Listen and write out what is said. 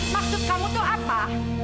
maksud kamu tuh apa